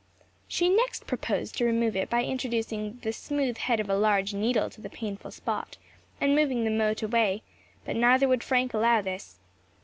She next proposed to remove it by introducing the smooth head of a large needle to the painful spot, and moving the mote away; but neither would Frank allow this.